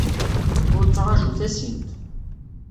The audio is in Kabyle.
Ur ttraju tasint.